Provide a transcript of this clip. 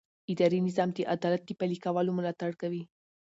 اداري نظام د عدالت د پلي کولو ملاتړ کوي.